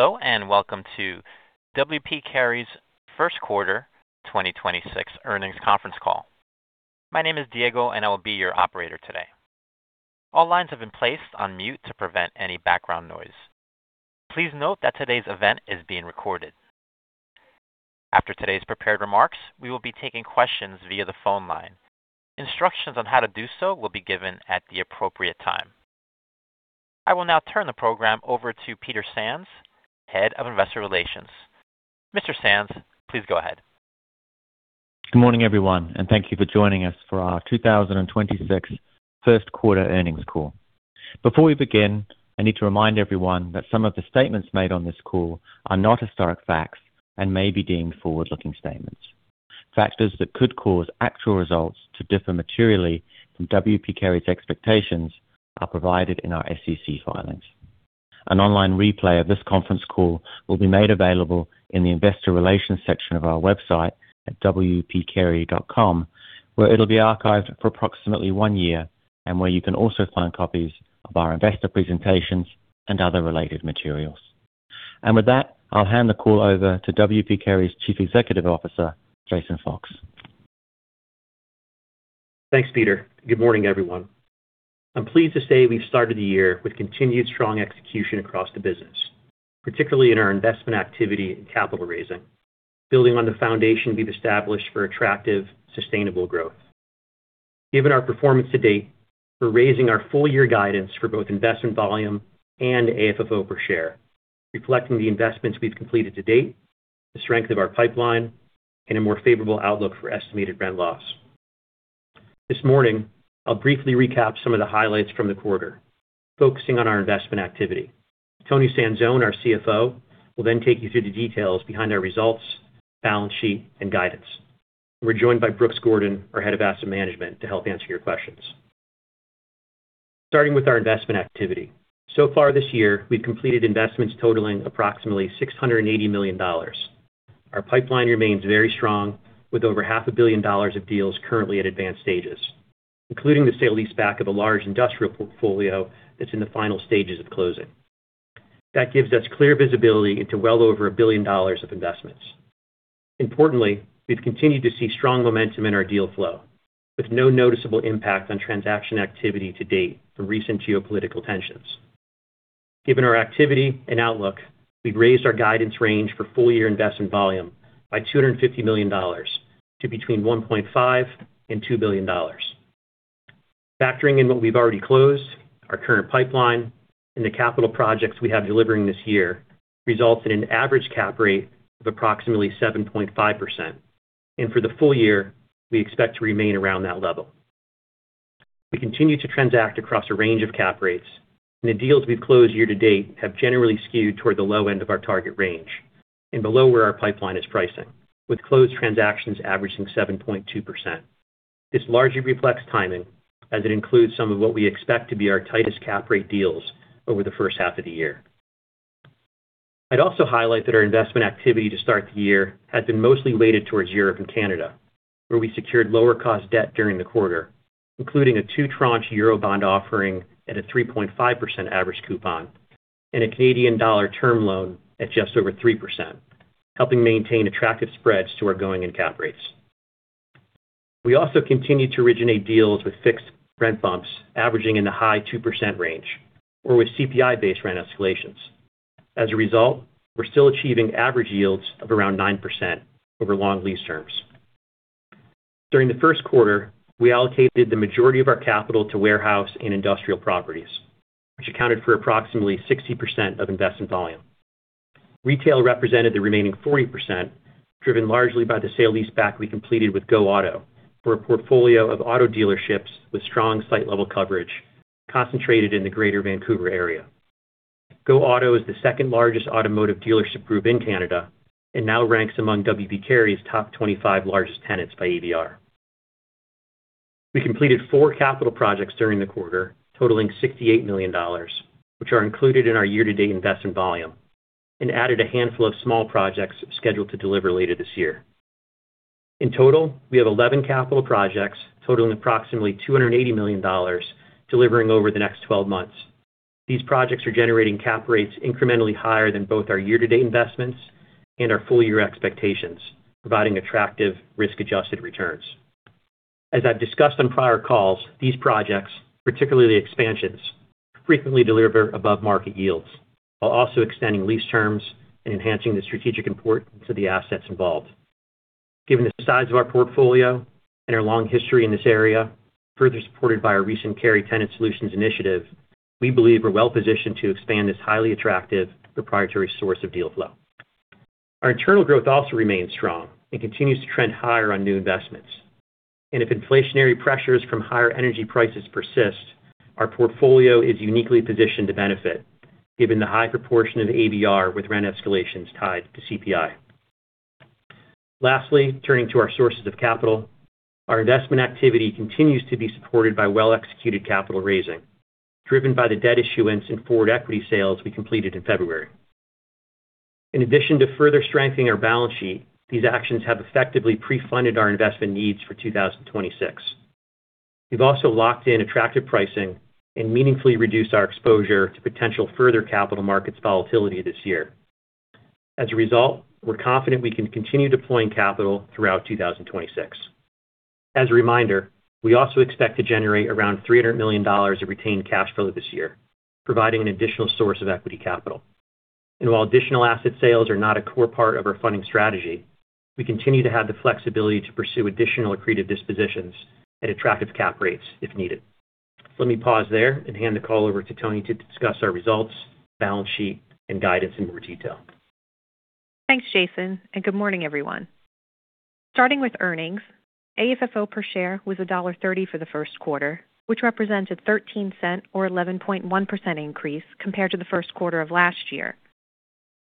Hello, and welcome to W. P. Carey's first quarter 2026 earnings conference call. My name is Diego, and I will be your operator today. All lines have been placed on mute to prevent any background noise. Please note that today's event is being recorded. After today's prepared remarks, we will be taking questions via the phone line. Instructions on how to do so will be given at the appropriate time. I will now turn the program over to Peter Sands, Head of Investor Relations. Mr. Sands, please go ahead. Good morning, everyone. Thank you for joining us for our 2026 first quarter earnings call. Before we begin, I need to remind everyone that some of the statements made on this call are not historic facts and may be deemed forward-looking statements. Factors that could cause actual results to differ materially from W. P. Carey's expectations are provided in our SEC filings. An online replay of this conference call will be made available in the Investor Relations section of our website at wpcarey.com, where it'll be archived for approximately one year. You can also find copies of our investor presentations and other related materials. With that, I'll hand the call over to W. P. Carey's Chief Executive Officer, Jason Fox. Thanks, Peter. Good morning, everyone. I'm pleased to say we've started the year with continued strong execution across the business, particularly in our investment activity and capital raising, building on the foundation we've established for attractive, sustainable growth. Given our performance to date, we're raising our full year guidance for both investment volume and AFFO per share, reflecting the investments we've completed to date, the strength of our pipeline, and a more favorable outlook for estimated rent loss. This morning, I'll briefly recap some of the highlights from the quarter, focusing on our investment activity. Toni Sanzone, our CFO, will then take you through the details behind our results, balance sheet, and guidance. We're joined by Brooks Gordon, our Head of Asset Management, to help answer your questions. Starting with our investment activity. So far this year, we've completed investments totaling approximately $680 million. Our pipeline remains very strong with over half a billion dollars of deals currently at advanced stages, including the sale leaseback of a large industrial portfolio that's in the final stages of closing. That gives us clear visibility into well over $1 billion of investments. Importantly, we've continued to see strong momentum in our deal flow with no noticeable impact on transaction activity to date from recent geopolitical tensions. Given our activity and outlook, we've raised our guidance range for full year investment volume by $250 million to between $1.5 billion and $2 billion. Factoring in what we've already closed, our current pipeline, and the capital projects we have delivering this year results in an average cap rate of approximately 7.5%. For the full year, we expect to remain around that level. We continue to transact across a range of cap rates, and the deals we've closed year-to-date have generally skewed toward the low end of our target range and below where our pipeline is pricing, with closed transactions averaging 7.2%. This largely reflects timing, as it includes some of what we expect to be our tightest cap rate deals over the first half of the year. I'd also highlight that our investment activity to start the year has been mostly weighted towards Europe and Canada, where we secured lower cost debt during the quarter, including a two tranche Eurobond offering at a 3.5% average coupon and a Canadian dollar term loan at just over 3%, helping maintain attractive spreads to our going-in cap rates. We also continue to originate deals with fixed rent bumps averaging in the high 2% range or with CPI-based rent escalations. As a result, we're still achieving average yields of around 9% over long lease terms. During the first quarter, we allocated the majority of our capital to warehouse and industrial properties, which accounted for approximately 60% of investment volume. Retail represented the remaining 40%, driven largely by the sale leaseback we completed with Go Auto for a portfolio of auto dealerships with strong site-level coverage concentrated in the Greater Vancouver area. Go Auto is the second largest automotive dealership group in Canada and now ranks among W. P. Carey's top 25 largest tenants by ABR. We completed four capital projects during the quarter, totaling $68 million, which are included in our year-to-date investment volume, and added a handful of small projects scheduled to deliver later this year. In total, we have 11 capital projects totaling approximately $280 million delivering over the next 12 months. These projects are generating cap rates incrementally higher than both our year-to-date investments and our full year expectations, providing attractive risk-adjusted returns. As I've discussed on prior calls, these projects, particularly the expansions, frequently deliver above-market yields while also extending lease terms and enhancing the strategic importance of the assets involved. Given the size of our portfolio and our long history in this area, further supported by our recent Carey Tenant Solutions initiative, we believe we're well positioned to expand this highly attractive proprietary source of deal flow. Our internal growth also remains strong and continues to trend higher on new investments. If inflationary pressures from higher energy prices persist, our portfolio is uniquely positioned to benefit given the high proportion of ABR with rent escalations tied to CPI. Lastly, turning to our sources of capital, our investment activity continues to be supported by well-executed capital raising, driven by the debt issuance and forward equity sales we completed in February. In addition to further strengthening our balance sheet, these actions have effectively pre-funded our investment needs for 2026. We've also locked in attractive pricing and meaningfully reduced our exposure to potential further capital markets volatility this year. As a result, we're confident we can continue deploying capital throughout 2026. As a reminder, we also expect to generate around $300 million of retained cash flow this year, providing an additional source of equity capital. While additional asset sales are not a core part of our funding strategy, we continue to have the flexibility to pursue additional accretive dispositions at attractive cap rates if needed. Let me pause there and hand the call over to Toni to discuss our results, balance sheet, and guidance in more detail. Thanks, Jason, and good morning, everyone. Starting with earnings, AFFO per share was $1.30 for the first quarter, which represents a $0.13 or 11.1% increase compared to the first quarter of last year.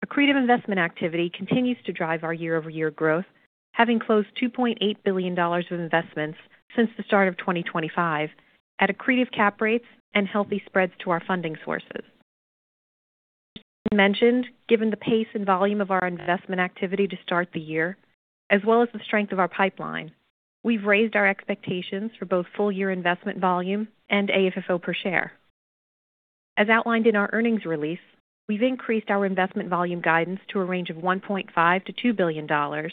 Accretive investment activity continues to drive our year-over-year growth, having closed $2.8 billion of investments since the start of 2025 at accretive cap rates and healthy spreads to our funding sources. As Jason mentioned, given the pace and volume of our investment activity to start the year, as well as the strength of our pipeline, we've raised our expectations for both full year investment volume and AFFO per share. As outlined in our earnings release, we've increased our investment volume guidance to a range of $1.5 billion-$2 billion,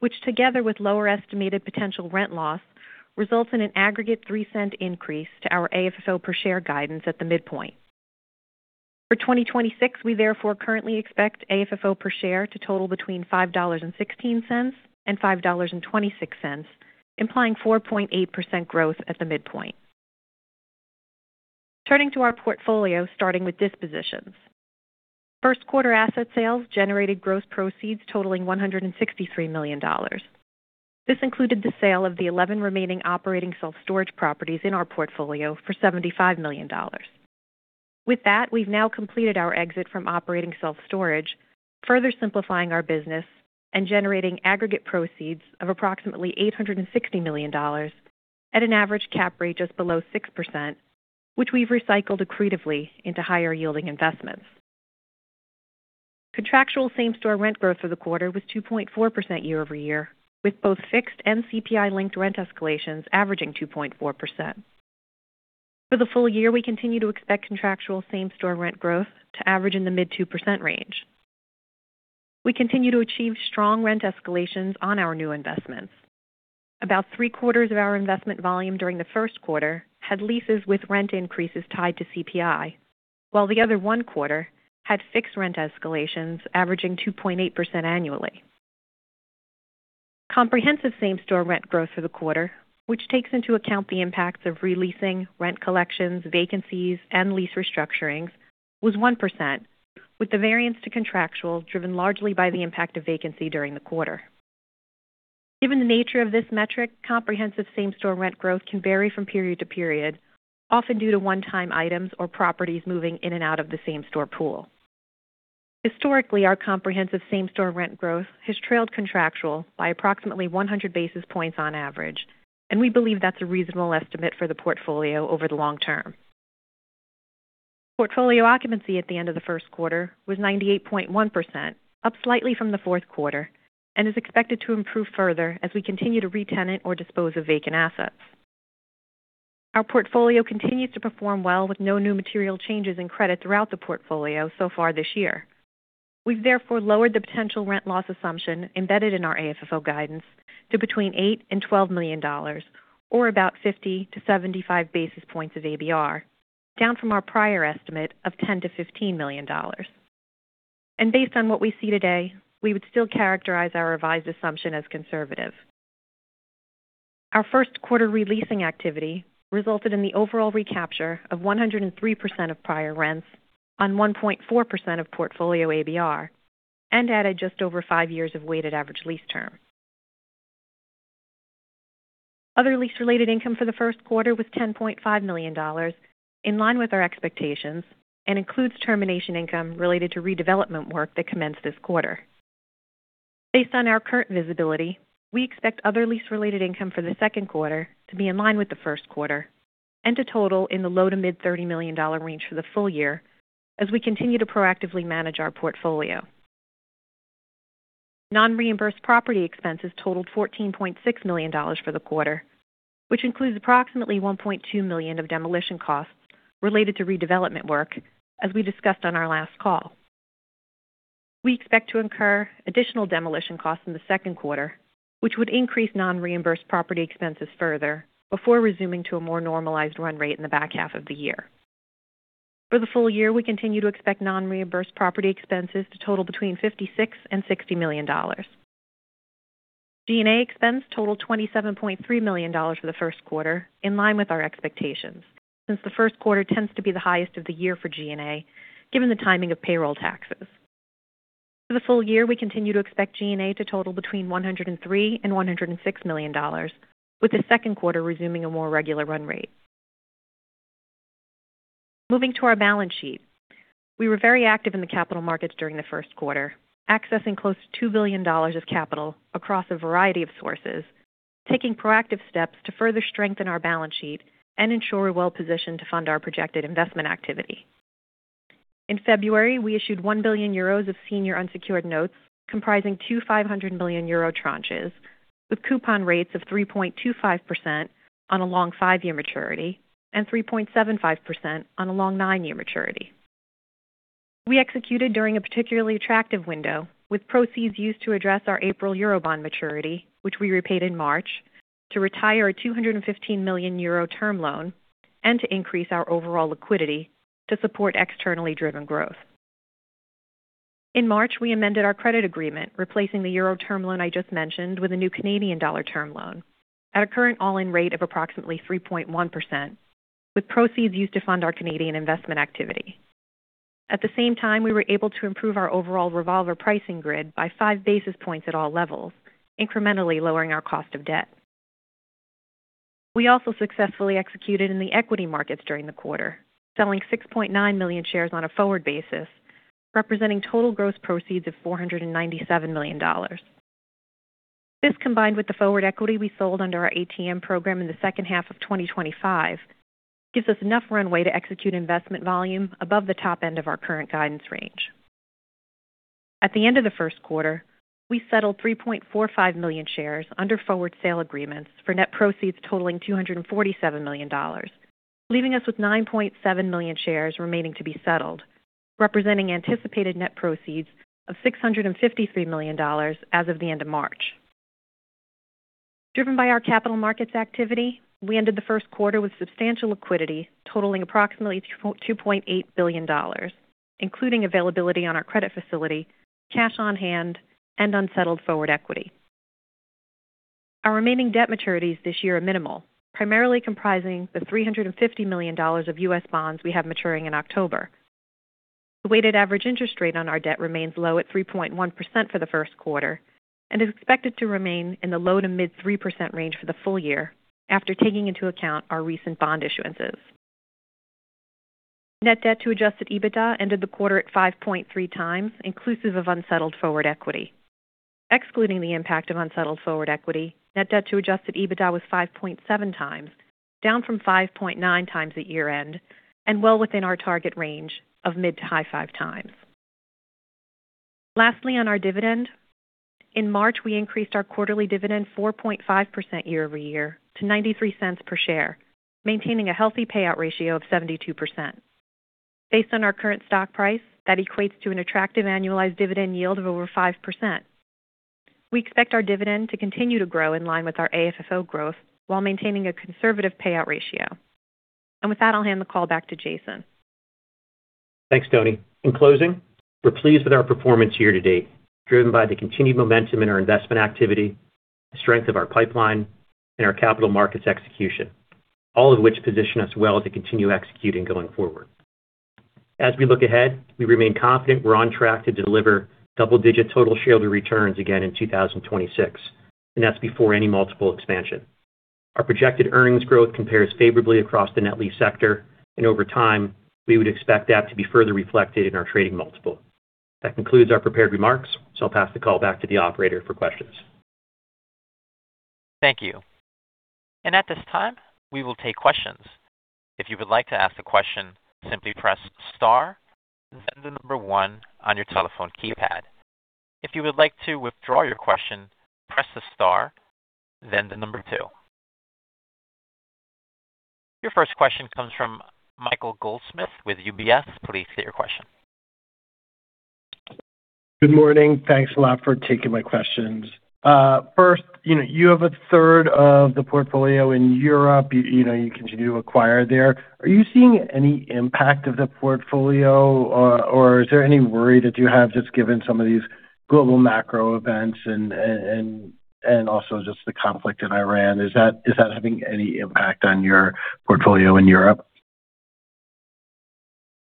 which together with lower estimated potential rent loss, results in an aggregate $0.03 increase to our AFFO per share guidance at the midpoint. For 2026, we therefore currently expect AFFO per share to total between $5.16 and $5.26, implying 4.8% growth at the midpoint. Turning to our portfolio, starting with dispositions. First quarter asset sales generated gross proceeds totaling $163 million. This included the sale of the 11 remaining operating self-storage properties in our portfolio for $75 million. With that, we've now completed our exit from operating self-storage, further simplifying our business and generating aggregate proceeds of approximately $860 million at an average cap rate just below 6%, which we've recycled accretively into higher yielding investments. Contractual same-store rent growth for the quarter was 2.4% year-over-year, with both fixed and CPI-linked rent escalations averaging 2.4%. For the full year, we continue to expect contractual same-store rent growth to average in the mid 2% range. We continue to achieve strong rent escalations on our new investments. About 3/4 of our investment volume during the first quarter had leases with rent increases tied to CPI, while the other one quarter had fixed rent escalations averaging 2.8% annually. Comprehensive same-store rent growth for the quarter, which takes into account the impacts of re-leasing, rent collections, vacancies, and lease restructurings, was 1%, with the variance to contractual driven largely by the impact of vacancy during the quarter. Given the nature of this metric, comprehensive same-store rent growth can vary from period to period, often due to one-time items or properties moving in and out of the same-store pool. Historically, our comprehensive same-store rent growth has trailed contractual by approximately 100 basis points on average, and we believe that's a reasonable estimate for the portfolio over the long term. Portfolio occupancy at the end of the first quarter was 98.1%, up slightly from the fourth quarter, and is expected to improve further as we continue to retenant or dispose of vacant assets. Our portfolio continues to perform well with no new material changes in credit throughout the portfolio so far this year. We've therefore lowered the potential rent loss assumption embedded in our AFFO guidance to between $8 million and $12 million, or about 50 to 75 basis points of ABR, down from our prior estimate of $10 million-$15 million. Based on what we see today, we would still characterize our revised assumption as conservative. Our first quarter re-leasing activity resulted in the overall recapture of 103% of prior rents on 1.4% of portfolio ABR and added just over five years of weighted average lease term. Other lease-related income for the first quarter was $10.5 million, in line with our expectations, and includes termination income related to redevelopment work that commenced this quarter. Based on our current visibility, we expect other lease-related income for the second quarter to be in line with the first quarter and to total in the low to mid $30 million range for the full year as we continue to proactively manage our portfolio. Non-reimbursed property expenses totaled $14.6 million for the quarter, which includes approximately $1.2 million of demolition costs related to redevelopment work, as we discussed on our last call. We expect to incur additional demolition costs in the second quarter, which would increase non-reimbursed property expenses further before resuming to a more normalized run rate in the back half of the year. For the full year, we continue to expect non-reimbursed property expenses to total between $56 million and $60 million. G&A expense totaled $27.3 million for the first quarter, in line with our expectations, since the first quarter tends to be the highest of the year for G&A, given the timing of payroll taxes. For the full year, we continue to expect G&A to total between $103 million and $106 million, with the second quarter resuming a more regular run rate. Moving to our balance sheet. We were very active in the capital markets during the first quarter, accessing close to $2 billion of capital across a variety of sources, taking proactive steps to further strengthen our balance sheet and ensure we're well-positioned to fund our projected investment activity. In February, we issued 1 billion euros of senior unsecured notes comprising two 500 million euro tranches with coupon rates of 3.25% on a long five-year maturity and 3.75% on a long nine-year maturity. We executed during a particularly attractive window with proceeds used to address our April Eurobond maturity, which we repaid in March to retire a 215 million euro term loan and to increase our overall liquidity to support extenally driven growth. In March, we amended our credit agreement, replacing the euro term loan I just mentioned with a new Canadian dollar term loan at a current all-in rate of approximately 3.1%, with proceeds used to fund our Canadian investment activity. At the same time, we were able to improve our overall revolver pricing grid by 5 basis points at all levels, incrementally lowering our cost of debt. We also successfully executed in the equity markets during the quarter, selling 6.9 million shares on a forward basis, representing total gross proceeds of $497 million. This, combined with the forward equity we sold under our ATM program in the second half of 2025, gives us enough runway to execute investment volume above the top end of our current guidance range. At the end of the first quarter, we settled 3.45 million shares under forward sale agreements for net proceeds totaling $247 million, leaving us with 9.7 million shares remaining to be settled, representing anticipated net proceeds of $653 million as of the end of March. Driven by our capital markets activity, we ended the first quarter with substantial liquidity totaling approximately $2.8 billion, including availability on our credit facility, cash on hand, and unsettled forward equity. Our remaining debt maturities this year are minimal, primarily comprising the $350 million of U.S. bonds we have maturing in October. The weighted average interest rate on our debt remains low at 3.1% for the first quarter and is expected to remain in the low to mid 3% range for the full year after taking into account our recent bond issuances. Net debt to Adjusted EBITDA ended the quarter at 5.3x, inclusive of unsettled forward equity. Excluding the impact of unsettled forward equity, net debt to Adjusted EBITDA was 5.7x, down from 5.9x at year-end and well within our target range of mid to high 5x. Lastly, on our dividend. In March, we increased our quarterly dividend 4.5% year-over-year to $0.93 per share, maintaining a healthy payout ratio of 72%. Based on our current stock price, that equates to an attractive annualized dividend yield of over 5%. We expect our dividend to continue to grow in line with our AFFO growth while maintaining a conservative payout ratio. With that, I'll hand the call back to Jason. Thanks, Toni. In closing, we're pleased with our performance year-to-date, driven by the continued momentum in our investment activity, the strength of our pipeline, and our capital markets execution, all of which position us well to continue executing going forward. As we look ahead, we remain confident we're on track to deliver double-digit total shareholder returns again in 2026, and that's before any multiple expansion. Our projected earnings growth compares favorably across the net lease sector, and over time, we would expect that to be further reflected in our trading multiple. That concludes our prepared remarks, so I'll pass the call back to the operator for expansion. Thank you. At this time, we will take questions. Your first question comes from Michael Goldsmith with UBS. Please state your question. Good morning. Thanks a lot for taking my questions. First, you know, you have a third of the portfolio in Europe. You know, you continue to acquire there. Are you seeing any impact of the portfolio or is there any worry that you have just given some of these global macro events and also just the conflict in Iran? Is that having any impact on your portfolio in Europe?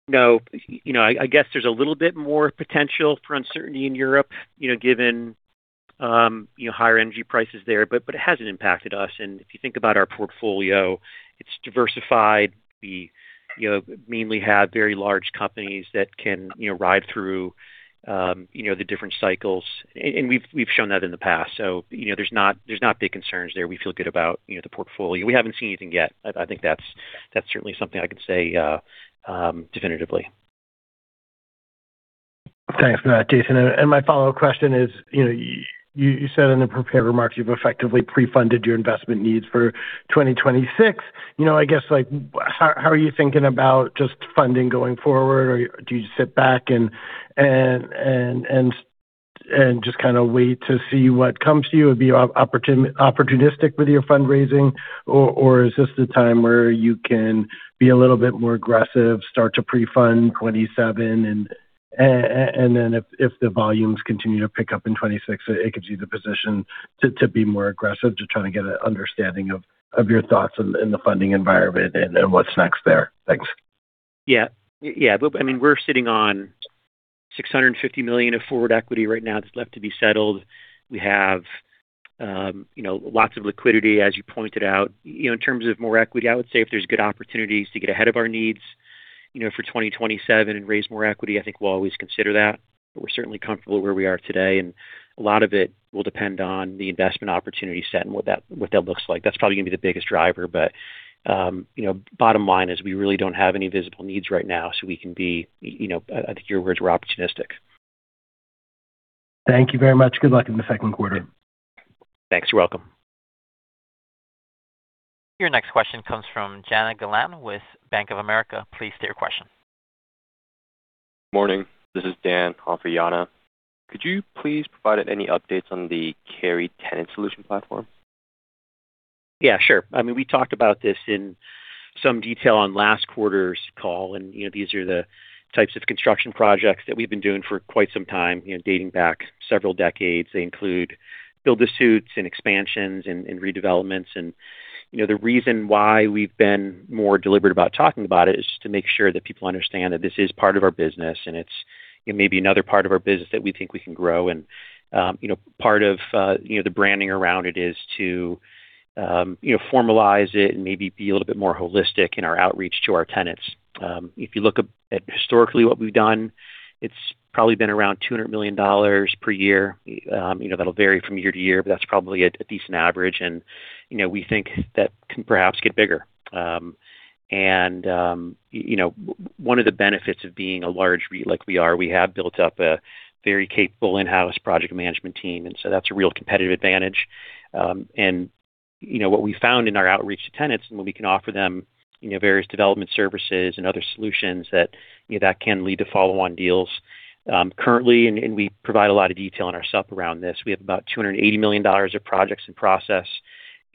No. You know, I guess there's a little bit more potential for uncertainty in Europe, you know, given, you know, higher energy prices there, but it hasn't impacted us. If you think about our portfolio, it's diversified. We, you know, mainly have very large companies that can, you know, ride through, you know, the different cycles. We've shown that in the past. You know, there's not big concerns there. We feel good about, you know, the portfolio. We haven't seen anything yet. I think that's certainly something I can say definitively. Thanks for that, Jason. My follow-up question is, you know, you said in the prepared remarks you've effectively pre-funded your investment needs for 2026. You know, I guess, like, how are you thinking about just funding going forward or do you just sit back and just kind of wait to see what comes to you and be opportunistic with your fundraising? Is this the time where you can be a little bit more aggressive, start to pre-fund 2027 and then if the volumes continue to pick up in 2026, it gets you the position to be more aggressive? Just trying to get an understanding of your thoughts in the funding environment and what's next there. Thanks. Yeah. Yeah. I mean, we're sitting on $650 million of forward equity right now that's left to be settled. We have, you know, lots of liquidity, as you pointed out. You know, in terms of more equity, I would say if there's good opportunities to get ahead of our needs, you know, for 2027 and raise more equity, I think we'll always consider that. We're certainly comfortable where we are today, and a lot of it will depend on the investment opportunity set and what that looks like. That's probably gonna be the biggest driver. You know, bottom line is we really don't have any visible needs right now, so we can be, you know, I think your words were opportunistic. Thank you very much. Good luck in the second quarter. Thanks. You're welcome. Your next question comes from Jana Galan with Bank of America. Please state your question. Morning. This is Dan on for Jana. Could you please provide any updates on the Carey Tenant Solutions platform? Yeah, sure. I mean, we talked about this in some detail on last quarter's call. You know, these are the types of construction projects that we've been doing for quite some time, you know, dating back several decades. They include build-to-suits and expansions and redevelopments. You know, the reason why we've been more deliberate about talking about it is just to make sure that people understand that this is part of our business and it's, you know, maybe another part of our business that we think we can grow. You know, part of, you know, the branding around it is to, you know, formalize it and maybe be a little bit more holistic in our outreach to our tenants. If you look at historically what we've done, it's probably been around $200 million per year. You know, that'll vary from year to year, but that's probably a decent average. You know, we think that can perhaps get bigger. You know, one of the benefits of being a large REIT like we are, we have built up a very capable in-house project management team, so that's a real competitive advantage. You know, what we found in our outreach to tenants and when we can offer them, you know, various development services and other solutions that, you know, that can lead to follow-on deals. Currently, and we provide a lot of detail on our SUP around this, we have about $280 million of projects in process,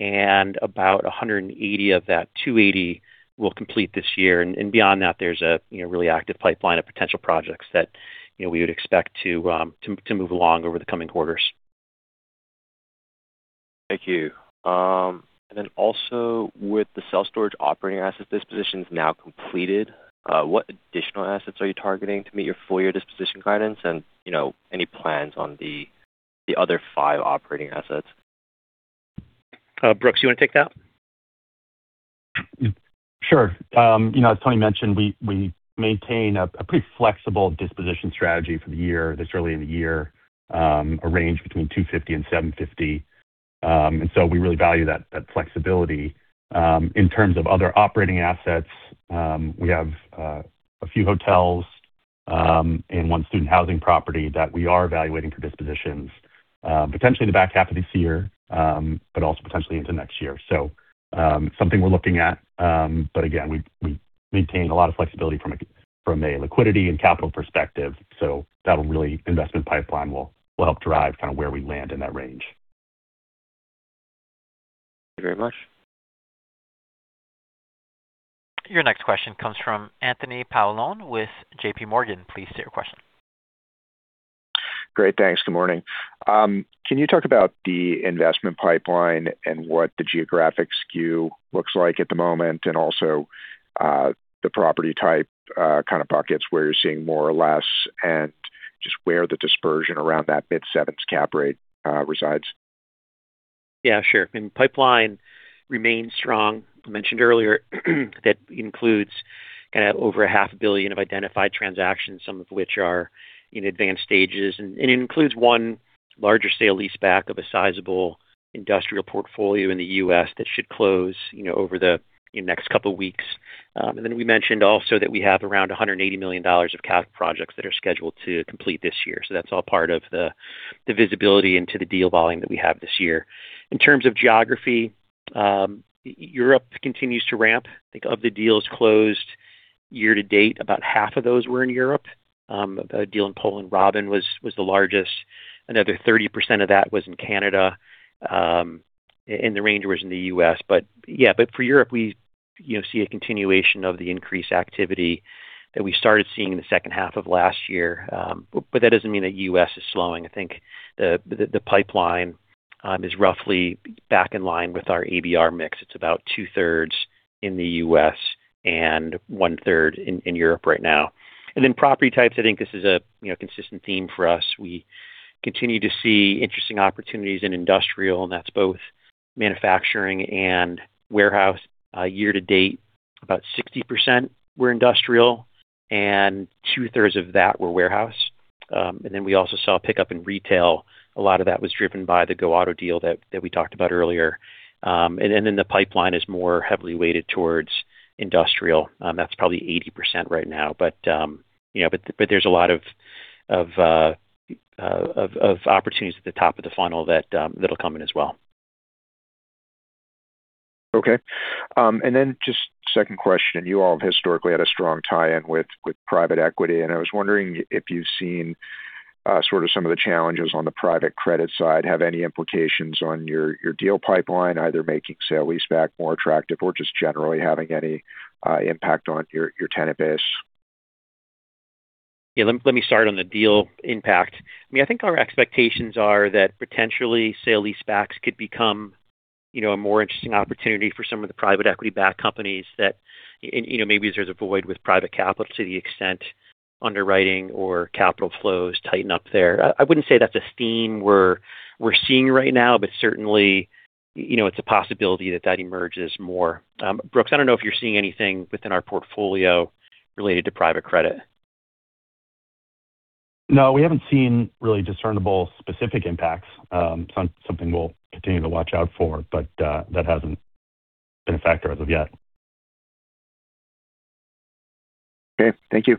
and about $180 of that 280 will complete this year. Beyond that, there's a, you know, really active pipeline of potential projects that, you know, we would expect to move along over the coming quarters. Thank you. Also with the self-storage operating asset dispositions now completed, what additional assets are you targeting to meet your full year disposition guidance? You know, any plans on the other five operating assets? Brooks, you wanna take that? Sure. You know, as Toni mentioned, we maintain a pretty flexible disposition strategy for the year. This early in the year, a range between $250 million and $750 million. We really value that flexibility. In terms of other operating assets, we have a few hotels and one student housing property that we are evaluating for dispositions, potentially in the back half of this year, but also potentially into next year. Something we're looking at. Again, we maintain a lot of flexibility from a liquidity and capital perspective. That'll really investment pipeline will help drive kind of where we land in that range. Thank you very much. Your next question comes from Anthony Paolone with JPMorgan. Please state your question. Great. Thanks. Good morning. Can you talk about the investment pipeline and what the geographic skew looks like at the moment, and also, the property type, kind of pockets where you're seeing more or less, and just where the dispersion around that mid-sevenths cap rate resides? Yeah, sure. Pipeline remains strong. I mentioned earlier that includes over a half billion of identified transactions, some of which are in advanced stages. It includes one larger sale leaseback of a sizable industrial portfolio in the U.S. that should close, you know, over the, you know, next couple weeks. We mentioned also that we have around $180 million of cap projects that are scheduled to complete this year. That's all part of the visibility into the deal volume that we have this year. In terms of geography, Europe continues to ramp. I think of the deals closed year to date, about half of those were in Europe. A deal in Poland, Robin, was the largest. Another 30% of that was in Canada. The range was in the U.S. Yeah, but for Europe, we, you know, see a continuation of the increased activity that we started seeing in the second half of last year. That doesn't mean that U.S. is slowing. I think the pipeline is roughly back in line with our ABR mix. It's about 2/3 in the U.S. and 1/3 in Europe right now. Property types, I think this is a, you know, consistent theme for us. We continue to see interesting opportunities in industrial, and that's both manufacturing and warehouse. Year-to-date, about 60% were industrial, and 2/3 of that were warehouse. We also saw a pickup in retail. A lot of that was driven by the Go Auto deal that we talked about earlier. The pipeline is more heavily weighted towards industrial. That's probably 80% right now. You know, there's a lot of opportunities at the top of the funnel that'll come in as well. Okay. Just second question. You all have historically had a strong tie-in with private equity. I was wondering if you've seen sort of some of the challenges on the private credit side have any implications on your deal pipeline, either making sale leaseback more attractive or just generally having any impact on your tenant base? Let me start on the deal impact. I mean, I think our expectations are that potentially sale leasebacks could become, you know, a more interesting opportunity for some of the private equity backed companies that, and, you know, maybe there's a void with private capital to the extent underwriting or capital flows tighten up there. I wouldn't say that's a theme we're seeing right now, but certainly, you know, it's a possibility that that emerges more. Brooks, I don't know if you're seeing anything within our portfolio related to private credit. No, we haven't seen really discernible specific impacts. Something we'll continue to watch out for, but that hasn't been a factor as of yet. Okay. Thank you.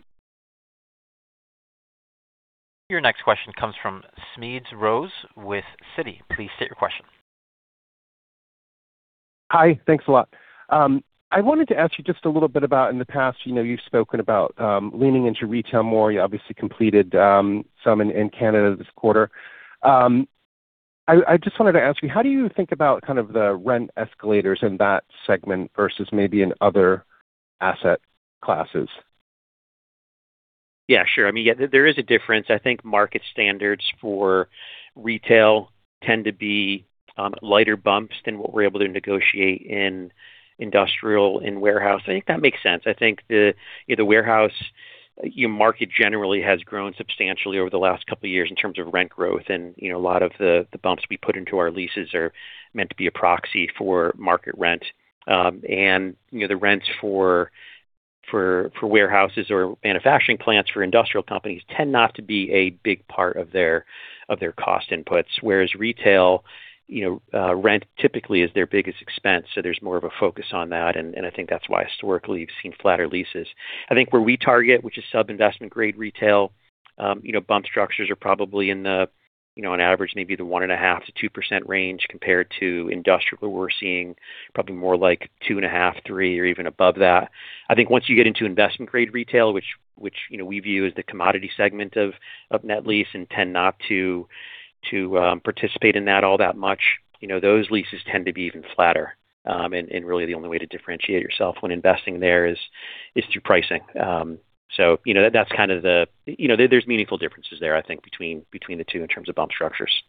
Your next question comes from Smedes Rose with Citi. Please state your question. Hi. Thanks a lot. I wanted to ask you just a little bit about in the past, you know, you've spoken about leaning into retail more. You obviously completed some in Canada this quarter. I just wanted to ask you, how do you think about kind of the rent in that segment versus maybe in other asset classes? Yeah, sure. I mean, there is a difference. I think market standards for retail tend to be lighter bumps than what we're able to negotiate in industrial, in warehouse. I think that makes sense. I think the, you know, the warehouse, your market generally has grown substantially over the last couple of years in terms of rent growth. You know, a lot of the bumps we put into our leases are meant to be a proxy for market rent. You know, the rents for warehouses or manufacturing plants for industrial companies tend not to be a big part of their cost inputs, whereas retail, you know, rent typically is their biggest expense, there's more of a focus on that. I think that's why historically you've seen flatter leases. I think where we target, which is sub-investment grade retail, you know, bump structures are probably in the, you know, on average maybe the 1.5%-2% range compared to industrial, where we're seeing probably more like 2.5%, 3%, or even above that. I think once you get into investment grade retail, which, you know, we view as the commodity segment of net lease and tend not to participate in that all that much. You know, those leases tend to be even flatter. Really the only way to differentiate yourself when investing there is through pricing. You know, there's meaningful differences there, I think, between the two in terms of bump structures.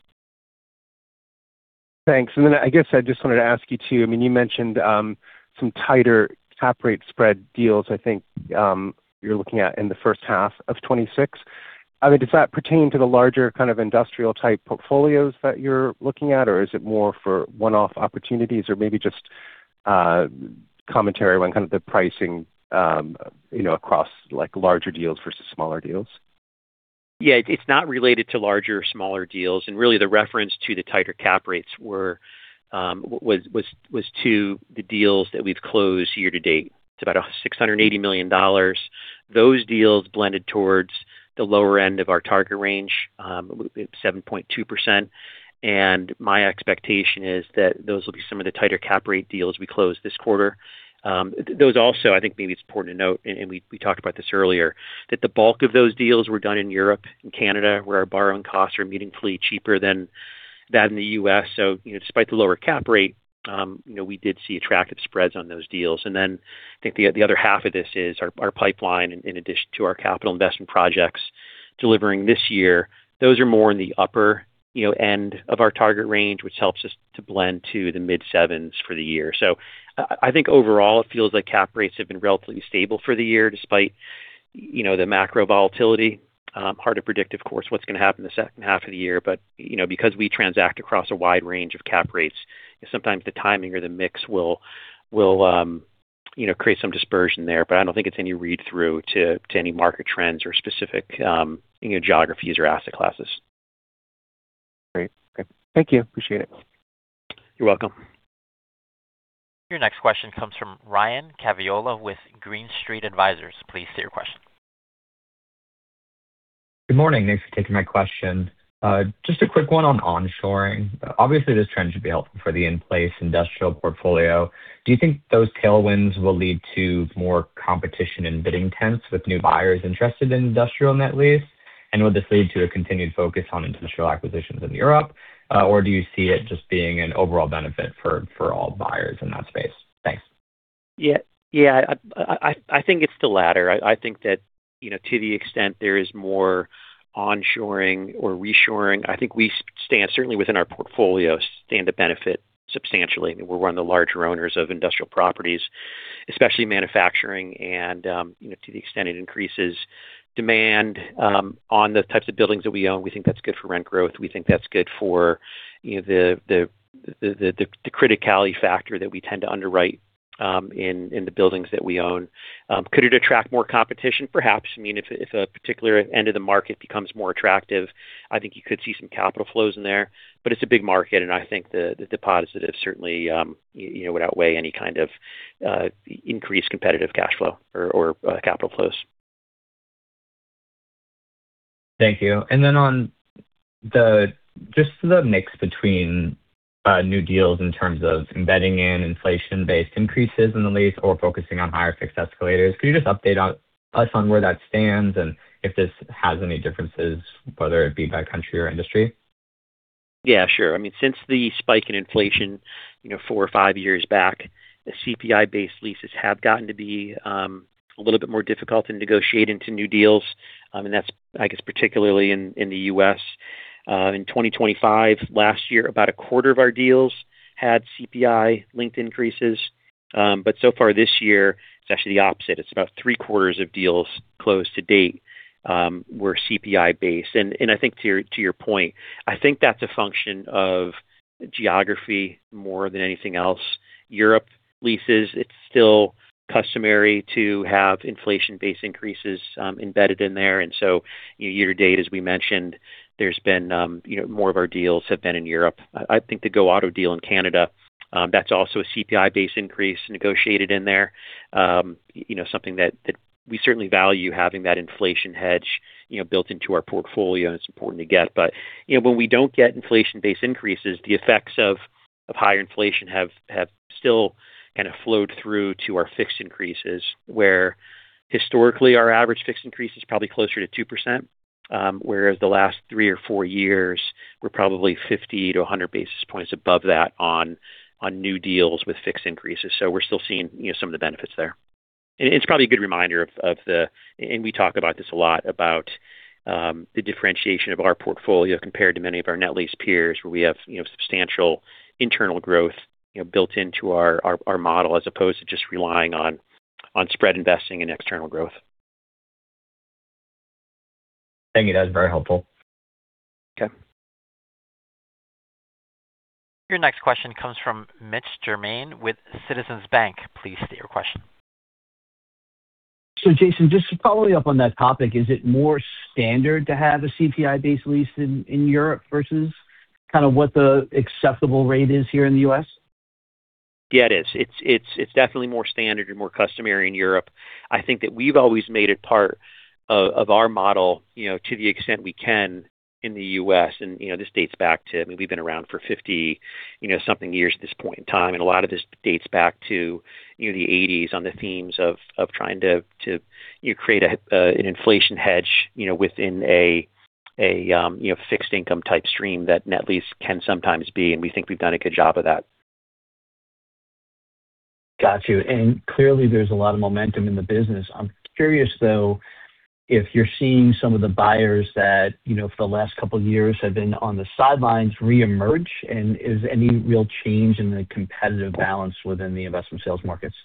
Thanks. I guess I just wanted to ask you too, I mean, you mentioned some tighter cap rate spread deals, I think, you're looking at in the first half of 2026. I mean, does that pertain to the larger kind of industrial type portfolios that you're looking at? Or is it more for one-off opportunities? Or maybe just commentary on kind of the pricing, you know, across like larger deals versus smaller deals. Yeah. It's not related to larger or smaller deals. Really the reference to the tighter cap rates was to the deals that we've closed year to date. It's about $680 million. Those deals blended towards the lower end of our target range at 7.2%. My expectation is that those will be some of the tighter cap rate deals we close this quarter. Those also, I think maybe it's important to note, and we talked about this earlier, that the bulk of those deals were done in Europe and Canada, where our borrowing costs are meaningfully cheaper than that in the U.S. You know, despite the lower cap rate, you know, we did see attractive spreads on those deals. I think the other half of this is our pipeline in addition to our capital investment projects delivering this year. Those are more in the upper, you know, end of our target range, which helps us to blend to the mid-7s for the year. I think overall it feels like cap rates have been relatively stable for the year despite, you know, the macro volatility. Hard to predict, of course, what's gonna happen the second half of the year. You know, because we transact across a wide range of cap rates, sometimes the timing or the mix will create some dispersion there. I don't think it's any read-through to any market trends or specific, you know, geographies or asset classes. Great. Okay. Thank you. Appreciate it. You're welcome. Your next question comes from Ryan Caviola with Green Street Advisors. Please state your question. Good morning. Thanks for taking my question. Just a quick one on onshoring. Obviously, this trend should be helpful for the in-place industrial portfolio. Do you think those tailwinds will lead to more competition and bidding trends with new buyers interested in industrial net lease? Will this lead to a continued focus on industrial acquisitions in Europe? Do you see it just being an overall benefit for all buyers in that space? Thanks. Yeah. Yeah. I think it's the latter. I think that, you know, to the extent there is more onshoring or reshoring, I think we stand, certainly within our portfolio, stand to benefit substantially. We're one of the larger owners of industrial properties, especially manufacturing and, you know, to the extent it increases demand on the types of buildings that we own. We think that's good for rent growth. We think that's good for, you know, the criticality factor that we tend to underwrite in the buildings that we own. Could it attract more competition? Perhaps. I mean, if a particular end of the market becomes more attractive, I think you could see some capital flows in there. It's a big market, and I think the positives certainly, you know, would outweigh any kind of increased competitive cash flow or capital flows. Thank you. On the mix between new deals in terms of embedding in inflation-based increases in the lease or focusing on higher fixed escalators, could you just update us on where that stands and if this has any differences, whether it be by country or flows? Yeah, sure. I mean, since the spike in inflation, you know, four or five years back, the CPI-based leases have gotten to be a little bit more difficult to negotiate into new deals. That's, I guess, particularly in the U.S. In 2025 last year, about 1/4 of our deals had CPI-linked increases. So far this year, it's actually the opposite. It's about 3/4 of deals closed to date were CPI based. I think to your point, I think that's a function of geography more than anything else. Europe leases, it's still customary to have inflation-based increases embedded in there. You know, year-to-date, as we mentioned, there's been, you know, more of our deals have been in Europe. I think the Go Auto deal in Canada, that's also a CPI base increase negotiated in there. You know, something that we certainly value having that inflation hedge, you know, built into our portfolio, and it's important to get. You know, when we don't get inflation-based increases, the effects of higher inflation have still kind of flowed through to our fixed increases, where historically our average fixed increase is probably closer to 2%, whereas the last three or four years we're probably 50 to 100 basis points above that on new deals with fixed increases. We're still seeing, you know, some of the benefits there. It's probably a good reminder of the. We talk about this a lot about the differentiation of our portfolio compared to many of our net lease peers where we have, you know, substantial internal growth, you know, built into our, our model as opposed to just relying on spread investing and external growth. Thank you. That was very helpful. Okay. Your next question comes from Mitch Germain with Citizens Bank Please state your question. Jason, just following up on that topic, is it more standard to have a CPI-based lease in Europe versus kind of what the acceptable rate is here in the U.S.? Yeah, it is. It's definitely more standard and more customary in Europe. I think that we've always made it part of our model, you know, to the extent we can in the U.S. You know, this dates back to, I mean, we've been around for 50 something years at this point in time, and a lot of this dates back to, you know, the eighties on the themes of trying to, you know, create an inflation hedge, you know, within a, you know, fixed income type stream that net lease can sometimes be, and we think we've done a good job of that. Got you. Clearly there's a lot of momentum in the business. I'm curious, though, if you're seeing some of the buyers that, you know, for the last couple of years have been on the sidelines reemerge, and is any real change in the competitive balance within the investment sales markets?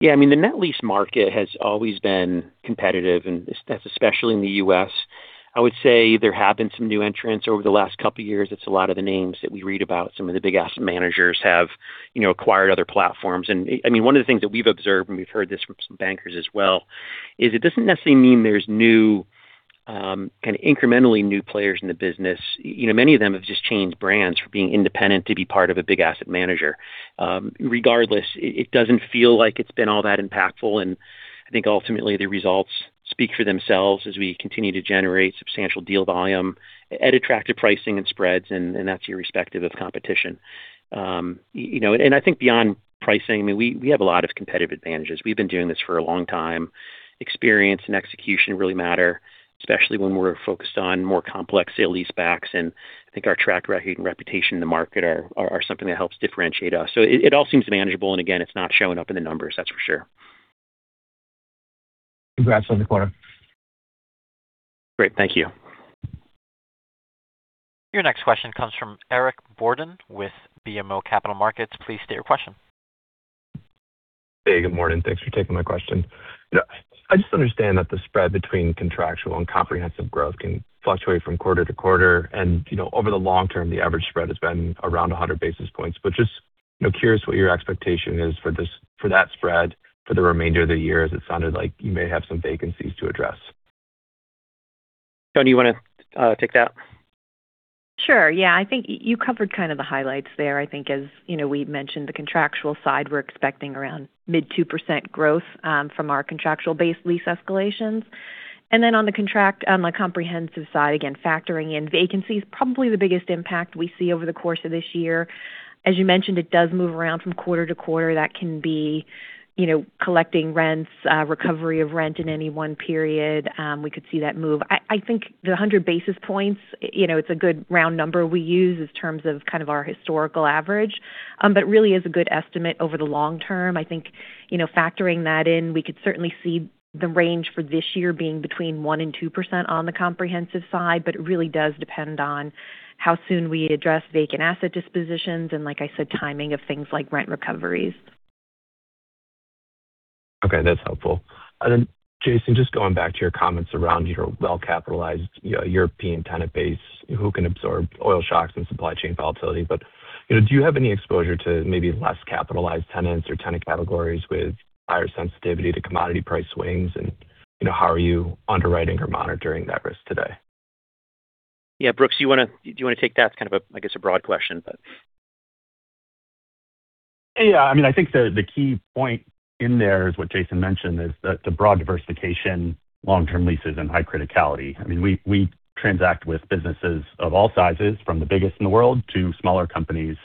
Yeah. I mean, the net lease market has always been competitive, especially in the U.S. I would say there have been some new entrants over the last couple of years. It's a lot of the names that we read about. Some of the big asset managers have, you know, acquired other platforms. I mean, one of the things that we've observed, and we've heard this from some bankers as well, is it doesn't necessarily mean there's new, kind of incrementally new players in the business. You know, many of them have just changed brands from being independent to be part of a big asset manager. Regardless, it doesn't feel like it's been all that impactful, and I think ultimately the results speak for themselves as we continue to generate substantial deal volume at attractive pricing and spreads and that's irrespective of competition. You know, I think beyond pricing, I mean, we have a lot of competitive advantages. We've been doing this for a long time. Experience and execution really matter, especially when we're focused on more complex sale leasebacks, I think our track record and reputation in the market are something that helps differentiate us. It all seems manageable, again, it's not showing up in the numbers, that's for sure. Congrats on the quarter. Great. Thank you. Your next question comes from Eric Borden with BMO Capital Markets. Please state your question. Hey, good morning. Thanks for taking my question. You know, I just understand that the spread between contractual and comprehensive growth can fluctuate from quarter-to-quarter. You know, over the long term, the average spread has been around 100 basis points. Just, you know, curious what your expectation is for this, for that spread for the remainder of the year, as it sounded like you may have some vacancies to address. Toni, you wanna take that? Sure. Yeah. I think you covered kind of the highlights there. I think as, you know, we've mentioned the contractual side, we're expecting around mid 2% growth from our contractual base lease escalations. On the comprehensive side, again, factoring in vacancy is probably the biggest impact we see over the course of this year. As you mentioned, it does move around from quarter to quarter. That can be, you know, collecting rents, recovery of rent in any one period. We could see that move. I think the 100 basis points, you know, it's a good round number we use in terms of kind of our historical average. Really is a good estimate over the long term. I think, you know, factoring that in, we could certainly see the range for this year being between 1% and 2% on the comprehensive side, but it really does depend on how soon we address vacant asset dispositions and, like I said, timing of things like rent recoveries. Okay, that's helpful. Jason, just going back to your comments around your well-capitalized, European tenant base who can absorb oil shocks and supply chain volatility. You know, do you have any exposure to maybe less capitalized tenants or tenant categories with higher sensitivity to commodity price swings? You know, how are you underwriting or monitoring that risk today? Yeah. Brooks, do you wanna take that? It's kind of a, I guess, a broad question, but. I think the key point in there is what Jason mentioned, is the broad diversification, long-term leases and high criticality. We transact with businesses of all sizes, from the biggest in the world to smaller companies.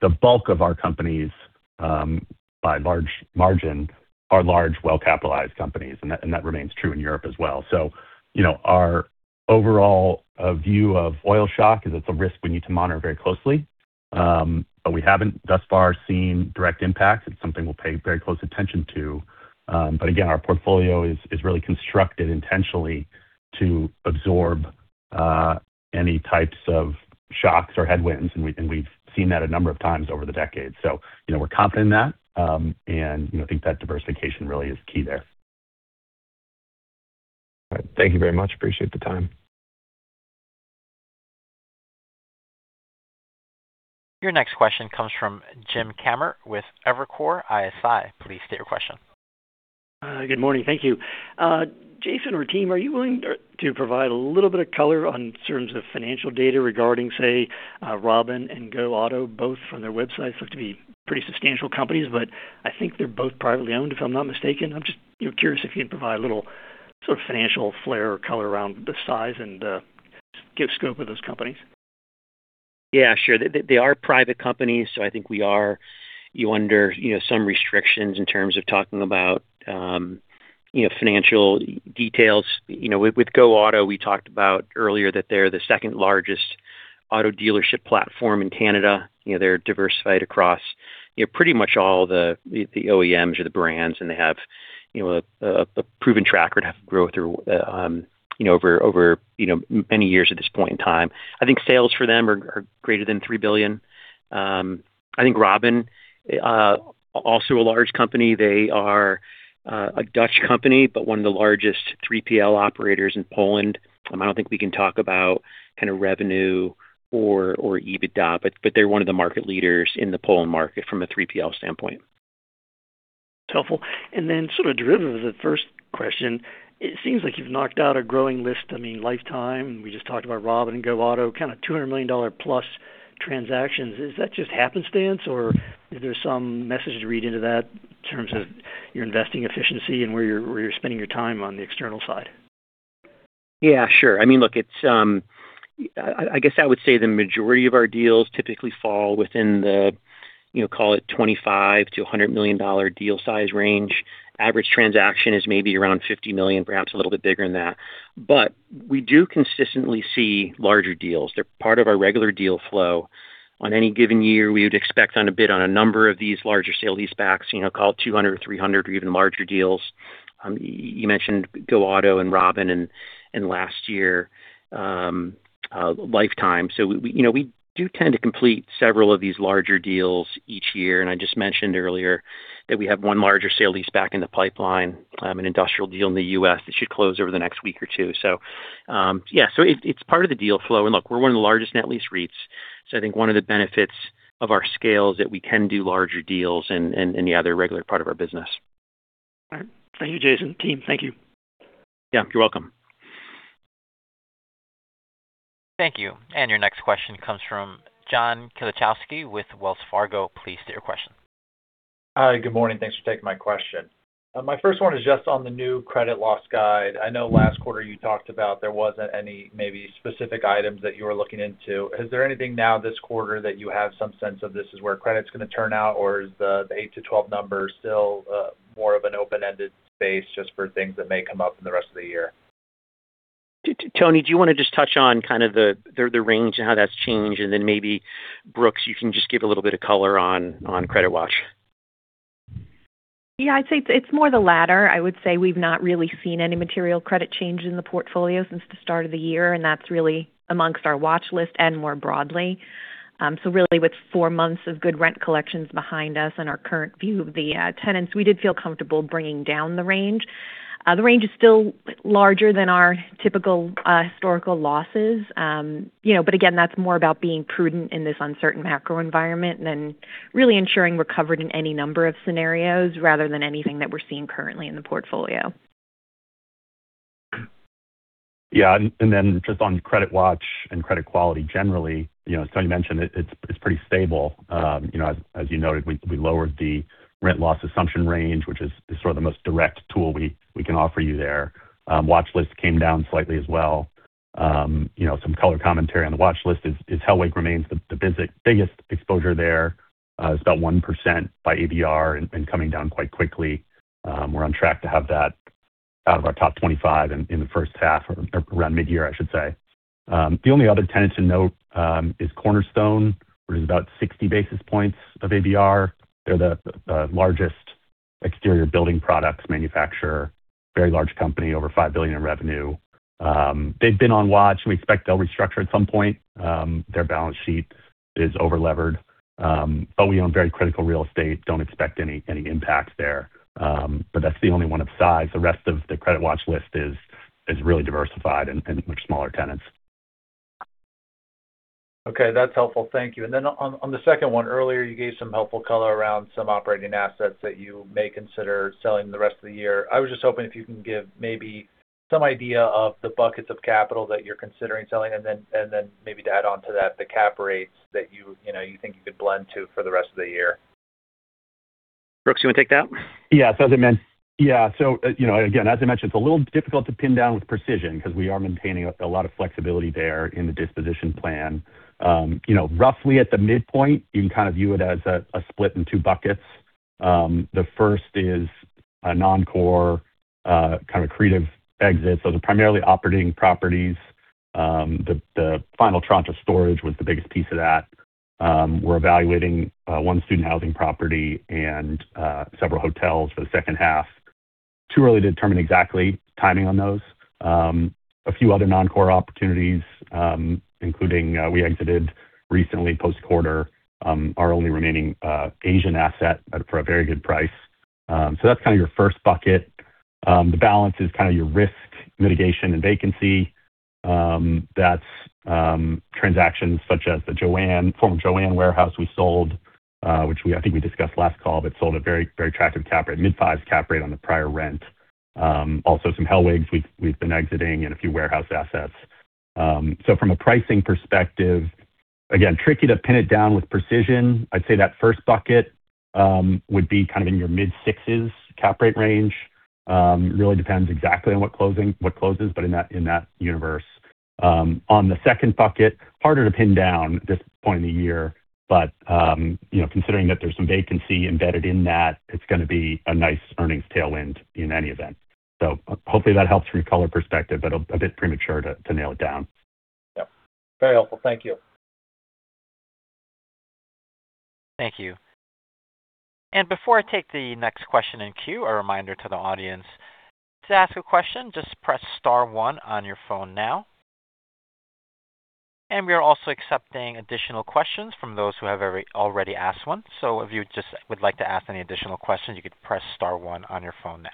The bulk of our companies, by large margin, are large, well-capitalized companies, and that remains true in Europe as well. You know, our overall view of oil shock is it's a risk we need to monitor very closely. We haven't thus far seen direct impacts. It's something we'll pay very close attention to. Again, our portfolio is really constructed intentionally to absorb any types of shocks or headwinds, and we've seen that a number of times over the decades. You know, we're confident in that, and, you know, think that diversification really is key there. All right. Thank you very much. Appreciate the time. Your next question comes from Jim Kammert with Evercore ISI. Please state your question. Good morning. Thank you. Jason or team, are you willing to provide a little bit of color on terms of financial data regarding, say, Robin and Go Auto, both from their websites look to be pretty substantial companies, but I think they're both privately owned, if I'm not mistaken. I'm just, you know, curious if you can provide a little sort of financial flair or color around the size and give scope of those companies. Yeah, sure. They are private companies, I think we are, you know, under, you know, some restrictions in terms of talking about, you know, financial details. You know, with Go Auto, we talked about earlier that they're the second largest auto dealership platform in Canada. You know, they're diversified across, you know, pretty much all the OEMs or the brands, and they have, you know, a proven tracker to have growth through, you know, over, you know, many years at this point in time. I think sales for them are greater than $3 billion. I think Robin also a large company. They are a Dutch company, one of the largest 3PL operators in Poland. I don't think we can talk about kind of revenue or EBITDA, but they're one of the market leaders in the Poland market from a 3PL standpoint. It's helpful. Sort of derivative of the first question, it seems like you've knocked out a growing list. I mean, Life Time, and we just talked about Robin and Go Auto, kind of $200+ million transactions. Is that just happenstance, or is there some message to read into that in terms of your investing efficiency and where you're spending your time on the external side? Yeah, sure. I mean, look, it's, I guess I would say the majority of our deals typically fall within the, you know, call it $25 million-$100 million deal size range. Average transaction is maybe around $50 million, perhaps a little bit bigger than that. But we do consistently see larger deals. They're part of our regular deal flow. On any given year, we would expect on a number of these larger sale leasebacks, you know, call it $200 million or $300 million or even larger deals. You mentioned Go Auto and Robin and last year, Life Time. We, you know, we do tend to complete several of these larger deals each year. I just mentioned earlier that we have one larger sale leaseback in the pipeline, an industrial deal in the U.S. that should close over the next week or two. Yeah. It's part of the deal flow. Look, we're one of the largest net lease REITs, so I think one of the benefits of our scale is that we can do larger deals and, yeah, they're a regular part of our business. All right. Thank you, Jason. Team, thank you. Yeah, you're welcome. Thank you. Your next question comes from John Kilichowski with Wells Fargo. Please state your question. Hi. Good morning. Thanks for taking my question. My first one is just on the new credit loss guide. I know last quarter you talked about there wasn't any maybe specific items that you were looking into. Is there anything now this quarter that you have some sense of this is where credit's gonna turn out, or is the eight to 12 number still more of an open-ended space just for things that may come up in the rest of the year? Toni, do you wanna just touch on kind of the range and how that's changed, and then maybe, Brooks, you can just give a little bit of color on credit watch? Yeah. I'd say it's more the latter. I would say we've not really seen any material credit change in the portfolio since the start of the year, and that's really amongst our watch list and more broadly. Really with four months of good rent collections behind us and our current view of the tenants, we did feel comfortable bringing down the range. The range is still larger than our typical historical losses. You know, again, that's more about being prudent in this uncertain macro environment and then really ensuring we're covered in any number of scenarios rather than anything that we're seeing currently in the portfolio. Yeah. Then just on credit watch and credit quality generally, you know, as Toni Sanzone mentioned, it's pretty stable. You know, as you noted, we lowered the rent loss assumption range, which is sort of the most direct tool we can offer you there. Watch list came down slightly as well. You know, some color commentary on the watch list is Hellweg remains the biggest exposure there. It's about 1% by ABR and coming down quite quickly. We're on track to have that out of our top 25 in the first half or around mid-year, I should say. The only other tenant to note is Cornerstone, which is about 60 basis points of ABR. They're the largest exterior building products manufacturer. Very large company, over $5 billion in revenue. They've been on watch, and we expect they'll restructure at some point. Their balance sheet is over-levered. We own very critical real estate. Don't expect any impact there. That's the only one of size. The rest of the credit watch list is really diversified and much smaller tenants. Okay. That's helpful. Thank you. Then on the second one, earlier you gave some helpful color around some operating assets that you may consider selling the rest of the year. I was just hoping if you can give maybe some idea of the buckets of capital that you're considering selling and then maybe to add on to that, the cap rates that you know, you think you could blend to for the rest of the year. Brooks, you wanna take that? You know, again, as I mentioned, it's a little difficult to pin down with precision because we are maintaining a lot of flexibility there in the disposition plan. You know, roughly at the midpoint, you can kind of view it as a split in two buckets. The first is a non-core, kind of accretive exit. The primarily operating properties, the final tranche of storage was the biggest piece of that. We're evaluating one student housing property and several hotels for the second half. Too early to determine exactly timing on those. A few other non-core opportunities, including, we exited recently post-quarter, our only remaining Asian asset for a very good price. That's kinda your first bucket. The balance is kind of your risk mitigation and vacancy. That's transactions such as the JOANN Stores, former Jo-Ann Stores warehouse we sold, which we, I think we discussed last call, but sold at very attractive cap rate, mid-5s cap rate on the prior rent. Also some Hellweg we've been exiting and a few warehouse assets. From a pricing perspective, again, tricky to pin it down with precision. I'd say that first bucket would be kind of in your mid-6s cap rate range. Really depends exactly on what closes, but in that universe. On the second bucket, harder to pin down at this point in the year, you know, considering that there's some vacancy embedded in that, it's going to be a nice earnings tailwind in any event. Hopefully that helps from a color perspective, but a bit premature to nail it down. Yeah. Very helpful. Thank you. Thank you. Before I take the next question in queue, a reminder to the audience, to ask a question, just press star one on your phone now. We are also accepting additional questions from those who have already asked one. If you just would like to ask any additional questions, you could press star one on your phone now.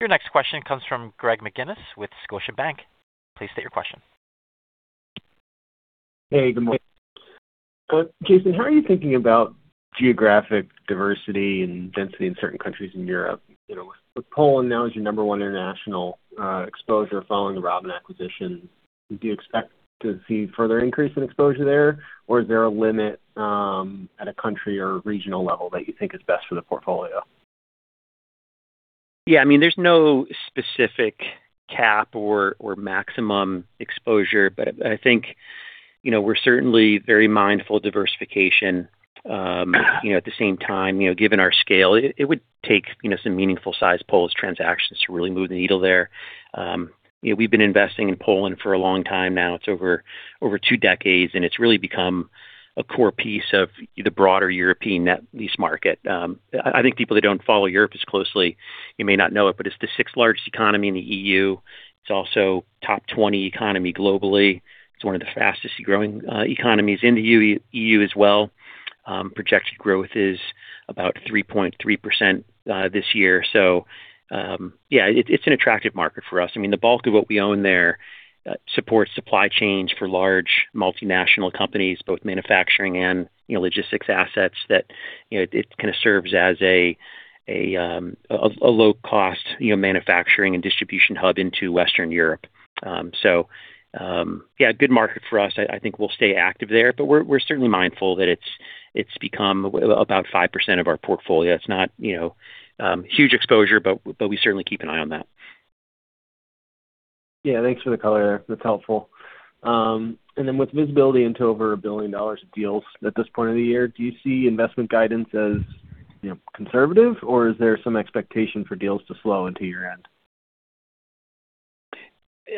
Your next question comes from Greg McGinniss with Scotiabank. Please state your question. Hey, good morning, Jason, how are you thinking about geographic diversity and density in certain countries in Europe? You know, with Poland now as your number one international exposure following the Robin acquisition, do you expect to see further increase in exposure there? Is there a limit at a country or regional level that you think is best for the portfolio? I mean, there's no specific cap or maximum exposure, but I think, you know, we're certainly very mindful of diversification. You know, at the same time, you know, given our scale, it would take, you know, some meaningful size Poland transactions to really move the needle there. You know, we've been investing in Poland for a long time now. It's over two decades, and it's really become a core piece of the broader European net lease market. I think people that don't follow Europe as closely, you may not know it, but it's the sixth largest economy in the EU. It's also top 20 economy globally. It's one of the fastest growing economies in the EU as well. Projected growth is about 3.3% this year. It's an attractive market for us. I mean, the bulk of what we own there supports supply chains for large multinational companies, both manufacturing and, you know, logistics assets that, you know, it kinda serves as a low cost, you know, manufacturing and distribution hub into Western Europe. Yeah, good market for us. I think we'll stay active there, but we're certainly mindful that it's become about 5% of our portfolio. It's not, you know, huge exposure, but we certainly keep an eye on that. Yeah. Thanks for the color. That's helpful. Then with visibility into over $1 billion of deals at this point of the year, do you see investment guidance as, you know, conservative, or is there some expectation for deals to slow into year-end?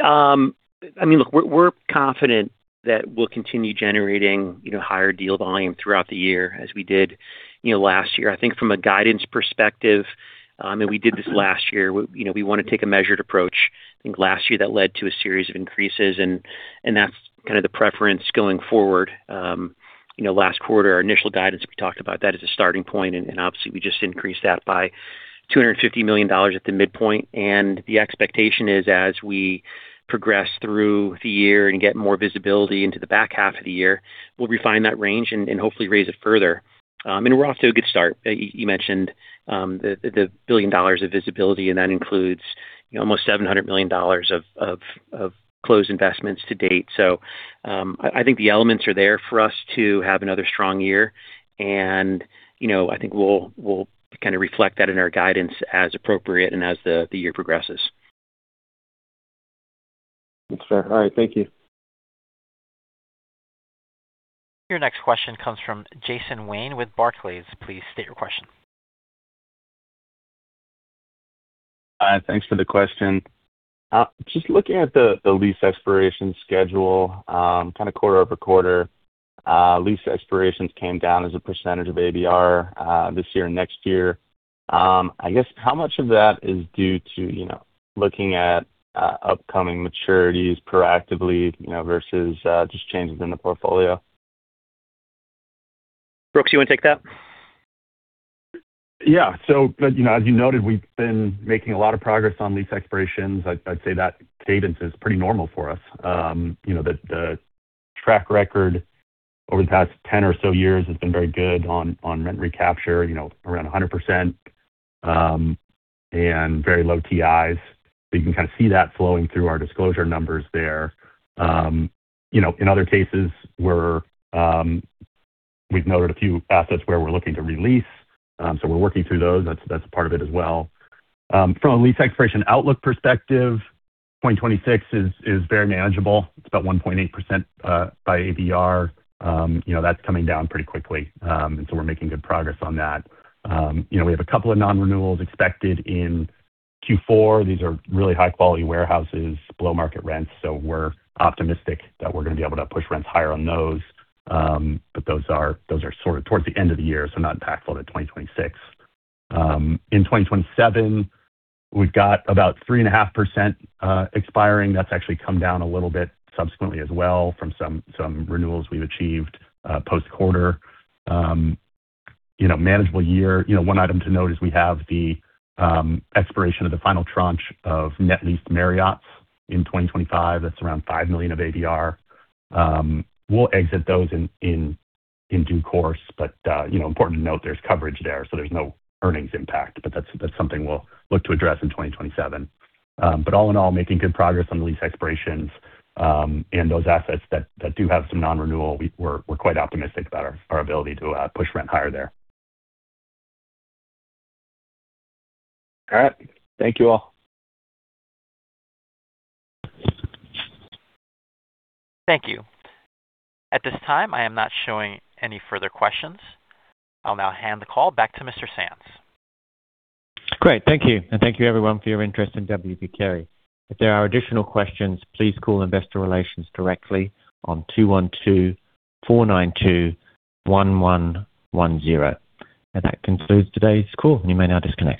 I mean, look, we're confident that we'll continue generating, you know, higher deal volume throughout the year as we did, you know, last year. I think from a guidance perspective, and we did this last year, we, you know, we wanna take a measured approach. I think last year that led to a series of increases and that's kinda the preference going forward. You know, last quarter, our initial guidance, we talked about that as a starting point, and obviously we just increased that by $250 million at the midpoint. The expectation is as we progress through the year and get more visibility into the back half of the year, we'll refine that range and hopefully raise it further. We're off to a good start. You mentioned the $1 billion of visibility. That includes, you know, almost $700 million of closed investments to date. I think the elements are there for us to have another strong year, and, you know, I think we'll kinda reflect that in our guidance as appropriate and as the year progresses. Thanks, sir. All right, thank you. Your next question comes from Jason Wayne with Barclays. Please state your question. Thanks for the question. Just looking at the lease expiration schedule, kinda quarter-over-quarter, lease expirations came down as a percentage of ABR, this year and next year. I guess how much of that is due to, you know, looking at upcoming maturities proactively, you know, versus just changes in the portfolio? Brooks, you wanna take that? Yeah. You know, as you noted, we've been making a lot of progress on lease expirations. I'd say that cadence is pretty normal for us. You know, the track record over the past 10 or so years has been very good on rent recapture, you know, around 100%, and very low TIs. You can kinda see that flowing through our disclosure numbers there. You know, in other cases, we're, we've noted a few assets where we're looking to re-lease, so we're working through those. That's a part of it as well. From a lease expiration outlook perspective, 2026 is very manageable. It's about 1.8% by ABR. You know, that's coming down pretty quickly. We're making good progress on that. You know, we have a couple of non-renewals expected in Q4. These are really high quality warehouses, below market rents, we're optimistic that we're gonna be able to push rents higher on those. Those are sort of towards the end of the year, so not impactful to 2026. In 2027, we've got about 3.5% expiring. That's actually come down a little bit subsequently as well from some renewals we've achieved post-quarter. You know, manageable year. You know, one item to note is we have the expiration of the final tranche of net lease Marriott in 2025. That's around $5 million of ABR. We'll exit those in due course, but, you know, important to note there's coverage there, so there's no earnings impact. That's something we'll look to address in 2027. All in all, making good progress on the lease expirations, and those assets that do have some non-renewal, we're quite optimistic about our ability to push rent higher there. All right. Thank you all. Thank you. At this time, I am not showing any further questions. I will now hand the call back to Mr. Sands. Great. Thank you everyone for your interest in W. P. Carey. If there are additional questions, please call investor relations directly on 212-492-1110. That concludes today's call. You may now disconnect.